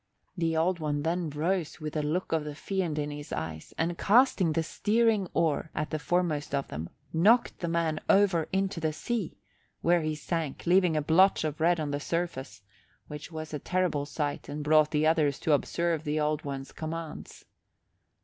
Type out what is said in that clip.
The Old One then rose with a look of the Fiend in his eyes and casting the steering oar at the foremost of them, knocked the man over into the sea, where he sank, leaving a blotch of red on the surface, which was a terrible sight and brought the others to observe the Old One's commands.